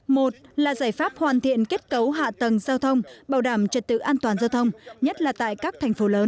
một là giải pháp hoàn thiện kết cấu hạ tầng giao thông bảo đảm trật tự an toàn giao thông nhất là tại các thành phố lớn